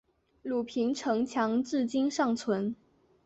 平鲁城墙至今尚存。